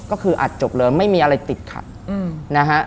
ก็คืออัดจบเลยไม่มีอะไรติดขัดนะฮะ